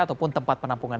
ataupun tempat penampungan